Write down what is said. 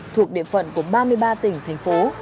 thuộc địa phận của ba mươi ba tỉnh thành phố